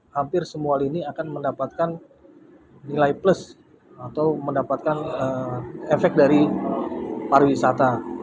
hampir semua lini akan mendapatkan nilai plus atau mendapatkan efek dari pariwisata